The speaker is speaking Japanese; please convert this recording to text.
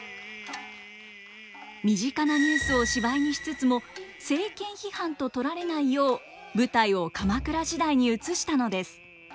身近なニュースを芝居にしつつも政権批判と取られないよう舞台を鎌倉時代に移したのです。